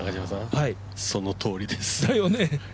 そのとおりです。